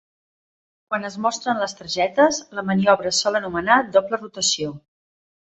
Quan es mostren les targetes, la maniobra es sol anomenar "doble rotació".